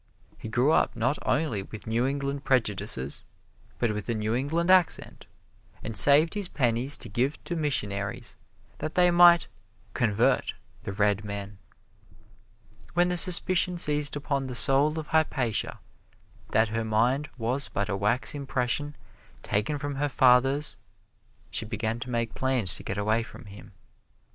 He grew up not only with New England prejudices, but with a New England accent, and saved his pennies to give to missionaries that they might "convert" the Red Men. When the suspicion seized upon the soul of Hypatia that her mind was but a wax impression taken from her father's, she began to make plans to get away from him.